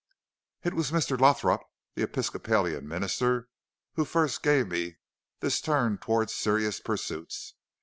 "It was Mr. Lothrop, the Episcopalian minister, who first gave me this turn toward serious pursuits.